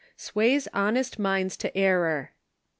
*'* SWAYS HONEST MINDS TO ERROR.